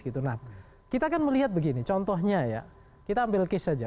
kita kan melihat begini contohnya ya kita ambil case saja